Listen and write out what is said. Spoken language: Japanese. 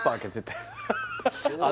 あ